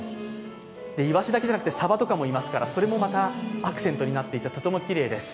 イワシだけじゃなくて、サバとかもいますからそれもまたアクセントになっていて、とてもきれいです。